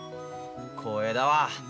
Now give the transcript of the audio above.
光栄だわ。